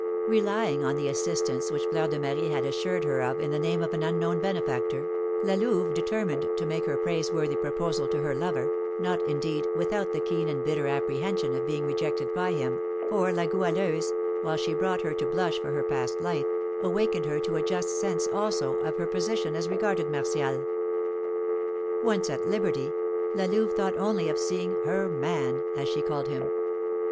Relying on the assistance which Fleur de Marie had assured her of in the name of an unknown benefactor, La Louve determined to make her praiseworthy proposal to her lover, not, indeed, without the keen and bitter apprehension of being rejected by him, for La Goualeuse, while she brought her to blush for her past life, awakened her to a just sense also of her position as regarded Martial. Once at liberty, La Louve thought only of seeing "her man," as she called him.